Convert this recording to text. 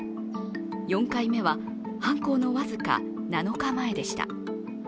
４回目は、犯行の僅か７日前でした。